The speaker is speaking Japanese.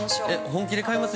◆本気で買います？